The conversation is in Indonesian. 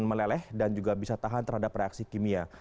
meleleh dan juga bisa tahan terhadap reaksi kimia